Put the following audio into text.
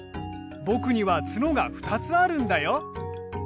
僕にはツノが２つあるんだよ。